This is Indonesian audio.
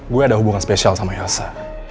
gue ada hubungan spesial sama elsa